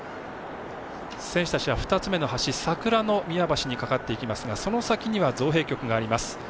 選手たちは２つ目の橋桜宮橋にかかってきますがその先には造幣局があります。